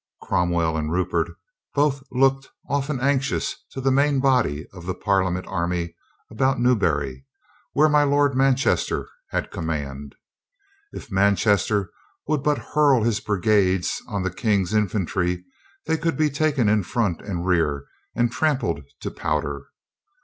Crom well and Rupert both looked often anxious to the main body of the Parliament army about Newbury, where my Lord Manchester had command. If Manchester would but hurl his brigades on the King's infantry, they could be taken in front and rear and trampled to powder.